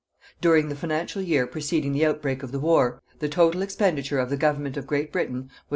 During the financial year preceding the outbreak of the war, the total expenditure of the Government of Great Britain was $987,464,845.